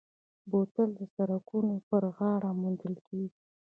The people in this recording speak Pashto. بوتل د سړکونو پر غاړه موندل کېږي.